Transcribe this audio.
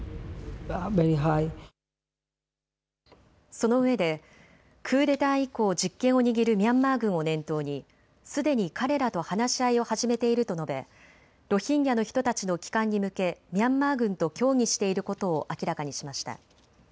そのうえでクーデター以降、実権を握るミャンマー軍を念頭にすでに彼らと話し合いを始めていると述べ、ロヒンギャの人たちの帰還に向けミャンマー軍と協議していることを明らかにしました。